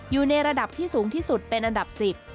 อยู่ในระดับที่สูงที่สุดเป็นอันดับ๑๐